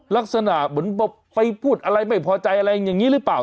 ลักษณะเหมือนไปพูดอะไรไม่พอใจอะไรอย่างนี้หรือเปล่า